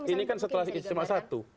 ini kan setelah cuma satu